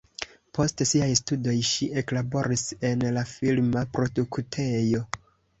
Post siaj studoj ŝi eklaboris en la filma produktejo.